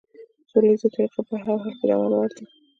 سوله ييزه طريقه په هر حال کې د عمل وړ ده.